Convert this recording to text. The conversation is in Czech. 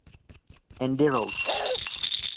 Andy Roach.